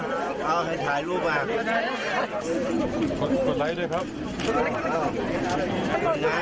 ทุกคนเลยค่ะเอาพูดแดงเรารักลูกป้อมเรารักลูกป้อมทุกคนเลย